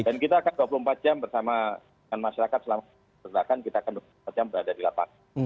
dan kita akan dua puluh empat jam bersama dengan masyarakat selama berlaku perjalanan kita akan dua puluh empat jam berada di lapang